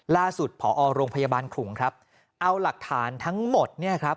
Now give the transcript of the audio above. ล่าสุดผอโรงพยาบาลขุงเอาหลักฐานทั้งหมด